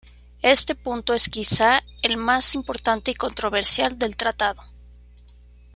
Este punto es quizás el más importante y controversial del tratado.